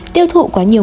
tiêu thụ quá nhiều mụn